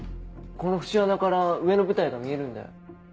この節穴から上の舞台が見えるんだよ。